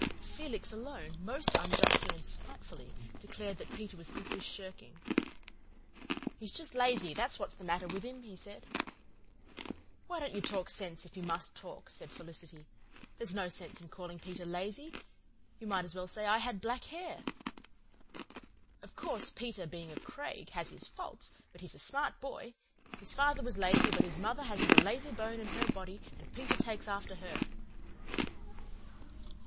Felix alone, must unjustly and spitefully, declared that Peter was simply shirking. "He's just lazy, that's what's the matter with him," he said. "Why don't you talk sense, if you must talk?" said Felicity. "There's no sense in calling Peter lazy. You might as well say I had black hair. Of course, Peter, being a Craig, has his faults, but he's a smart boy. His father was lazy but his mother hasn't a lazy bone in her body, and Peter takes after her."